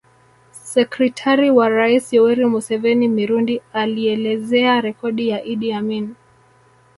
Sekretari wa rais Yoweri Museveni Mirundi alielezea rekodi ya Idi Amin